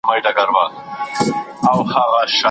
په ماشین باندې د کتاب سرپاڼه سمه سوه.